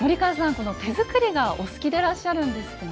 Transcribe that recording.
この手作りがお好きでいらっしゃるんですってね。